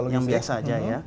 yang biasa aja ya